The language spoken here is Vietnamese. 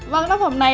và các tác phẩm này